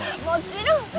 もちろん！